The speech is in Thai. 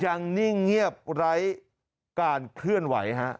นิ่งเงียบไร้การเคลื่อนไหวฮะ